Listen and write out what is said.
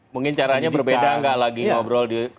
mungkin caranya berbeda nggak lagi ngobrol di